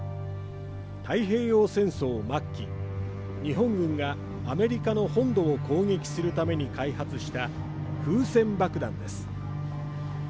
太平洋戦争末期、日本軍がアメリカの本土を攻撃するために開発した風船爆弾です。